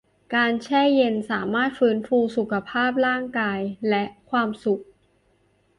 การแช่เย็นสามารถฟื้นฟูสุขภาพร่างกายและความสุข